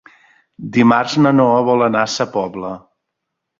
Dimarts na Noa vol anar a Sa Pobla.